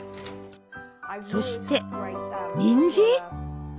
そしてにんじん？